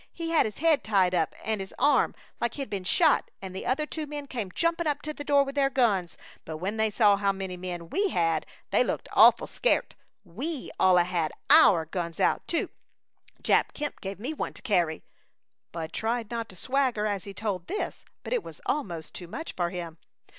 He had his head tied up, and his arm, like he'd been shot, and the other two men came jumping up to the door with their guns, but when they saw how many men we had they looked awful scairt. We all had our guns out, too! Jap Kemp gave me one to carry " Bud tried not to swagger as he told this, but it was almost too much for him.